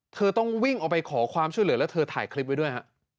เธอต้องวิ่งออกไปขอความช่วยเหลือแล้วเธอถ่ายคลิปไว้ด้วยฮะ